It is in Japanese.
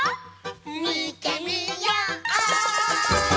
みてみよう！